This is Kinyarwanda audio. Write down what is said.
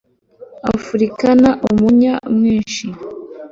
Afurekana umunya mwinshi